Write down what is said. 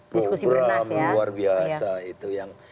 program luar biasa